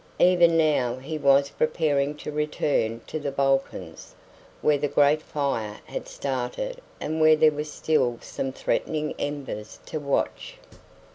Even now he was preparing to return to the Balkans, where the great fire had started and where there were still some threatening embers to watch.